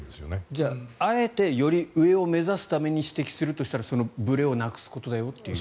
じゃあ、あえてより上を目指すために指摘するとしたらそのブレをなくすことだよという。